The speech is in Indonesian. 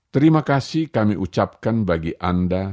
terima kasih kami ucapkan bagi anda